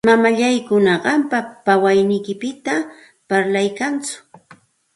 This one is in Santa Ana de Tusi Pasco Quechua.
Mamallakuna qampa kawayniykipita parlaykanku.